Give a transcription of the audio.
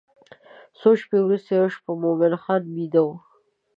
څو شپې وروسته یوه شپه مومن خان بیده و.